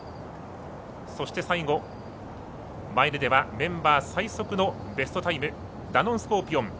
そして、最後、マイルではメンバー最速のベストタイムダノンスコーピオン。